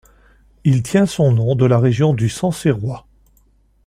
Il tient son nom de la région du Sancerrois.